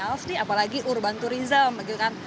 nah harusnya apalagi urban tourism gitu kan